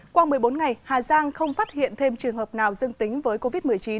qua một mươi bốn ngày hà giang không phát hiện thêm trường hợp nào dương tính với covid một mươi chín